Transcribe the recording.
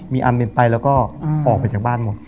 มีอันเป็นไปแล้วก็ออกไปจากบ้านหมด